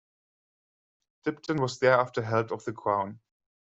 Dibden was thereafter held of the Crown.